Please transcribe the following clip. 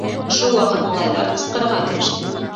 Шул ваҡыт малайҙар ҡысҡырырға кереште: